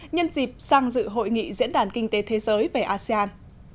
nhân dịp sang dự hội nghị diễn đàn kinh tế thế giới về asean